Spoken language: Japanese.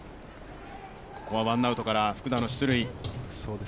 ここはワンアウトから福田の出塁。